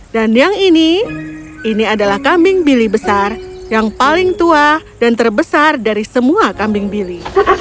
dan yang ini ini adalah kambing bili besar yang paling tua dan terbesar dari semua kambing bili